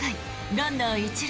ランナー１塁。